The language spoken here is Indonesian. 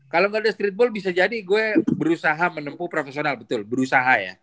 kalau gak ada streetball bisa jadi gue berusaha menempuh profesional betul berusaha ya